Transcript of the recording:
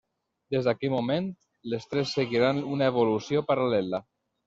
Des d'aquell moment, les tres seguiran una evolució paral·lela.